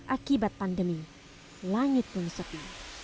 akibat pandemi langit pun sepi